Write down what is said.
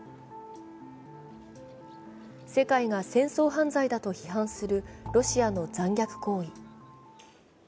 世界が戦争犯罪だと批判するロシアの残虐行為。